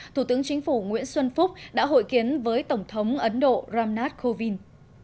thủ tướng chính phủ nguyễn xuân phúc đã hội kiến với tổng thống ấn độ ramnath kovind